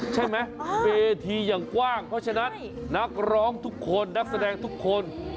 ใช่ไหมเวทีอย่างกว้างเพราะฉะนั้นนักร้องทุกคนนักแสดงทุกคน